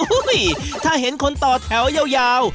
ถ้าเห็นคนต่อแถวยาว